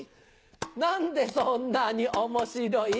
何でそんなに面白い？